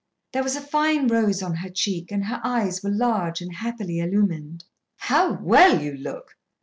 There was a fine rose on her cheek, and her eyes were large and happily illumined. "How well you look!"